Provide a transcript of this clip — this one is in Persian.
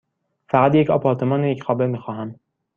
فقط یک آپارتمان یک خوابه می خواهم.